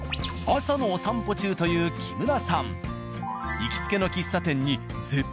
朝のお散歩中という木村さん。